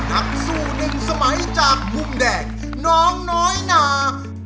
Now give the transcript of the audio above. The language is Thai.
นักสู้หนึ่งสมัยจากมุมแดงน้องน้อยนา